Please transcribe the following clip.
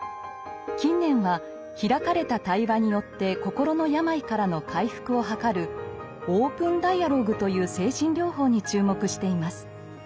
近年は開かれた対話によって心の病からの回復を図る「オープンダイアローグ」という精神療法に注目しています。